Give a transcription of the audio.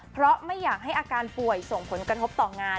เพราะไม่อยากให้อาการป่วยส่งผลกระทบต่องาน